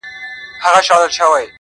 کرونا جدی وګڼی.!! .!